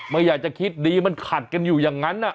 ไม่อยากจะคิดดีมันขัดกันอยู่อย่างนั้น